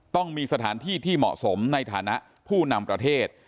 ต้องมีสถานที่ที่เหมาะสมในฐานะผู้นำประเทศ